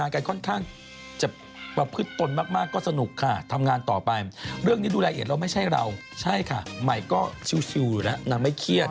รายละเอียดแล้วไม่ใช่เราใช่ค่ะใหม่ก็ชิวอยู่แล้วนางไม่เครียด